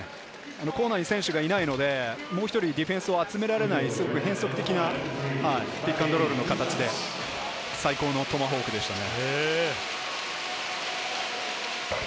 コーナーに選手がいないので、もう１人ディフェンスを集められない変則的なピックアンドロールの形で、最高のトマホークでしたね。